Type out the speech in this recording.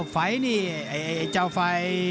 ไฟนี่ไฟ